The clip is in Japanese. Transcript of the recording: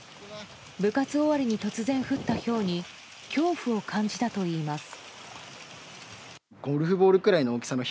部活終わりに突然降ったひょうに恐怖を感じたといいます。